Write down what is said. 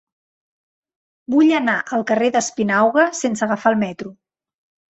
Vull anar al carrer d'Espinauga sense agafar el metro.